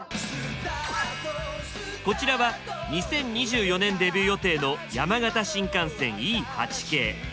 こちらは２０２４年デビュー予定の山形新幹線Ｅ８系。